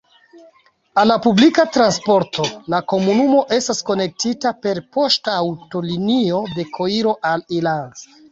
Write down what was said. Al la publika transportreto la komunumo estas konektita per poŝtaŭtolinio de Koiro al Ilanz.